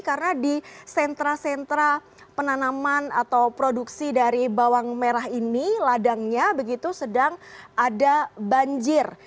karena di sentra sentra penanaman atau produksi dari bawang merah ini ladangnya begitu sedang ada banjir